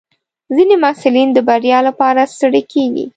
ځینې محصلین د بریا لپاره نه ستړي کېږي.